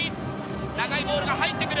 長いボールが入ってくる。